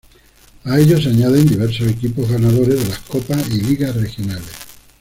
A ellos se añaden diversos equipos ganadores de las copas y ligas regionales.